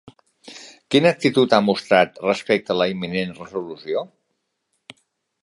Quina actitud ha mostrat respecte de la imminent resolució?